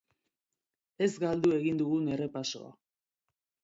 Ez galdu egin dugun errepasoa.